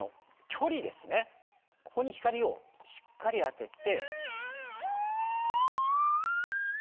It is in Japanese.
ここに光をしっかり当てて。